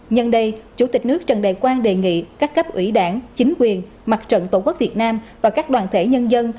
nhân đây chủ tịch nước trần đại quang đề nghị các cấp ủy đảng chính quyền mặt trận tổ quốc việt nam và các đoàn thể nhân dân